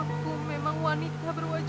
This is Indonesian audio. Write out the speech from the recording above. itu memang anak venezial